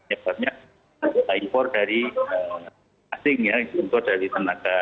ya banyak impor dari asing impor dari tenaga